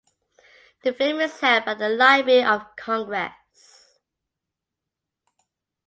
The film is held by the Library of Congress.